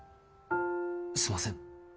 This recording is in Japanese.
すみません。